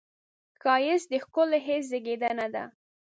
ښایست د ښکلي حس زېږنده ده